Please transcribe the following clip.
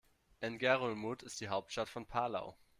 Ngerulmud ist die Hauptstadt von Palau.